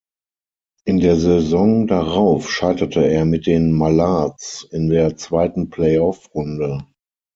In der Saison darauf scheiterte er mit den Mallards in der zweiten Playoff-Runde.